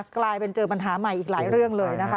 กลายเป็นเจอปัญหาใหม่อีกหลายเรื่องเลยนะคะ